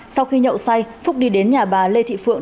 sau khi nhậu say phúc đi đến nhà bà lê thị phượng